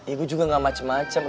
ya gue juga gak macem macem